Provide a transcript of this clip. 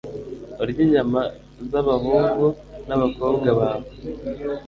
urye inyama z'abahungu n'abakobwa bawe+